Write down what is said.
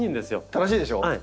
正しいでしょ？